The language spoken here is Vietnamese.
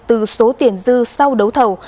từ số tiền dư sau đấu thầu